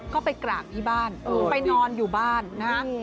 ก็ไปกราบที่บ้านไปนอนอยู่บ้านนะฮะ